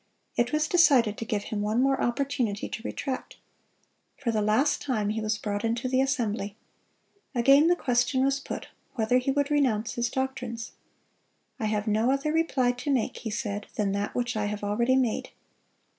It was decided to give him one more opportunity to retract. For the last time he was brought into the assembly. Again the question was put, whether he would renounce his doctrines. "I have no other reply to make," he said, "than that which I have already made."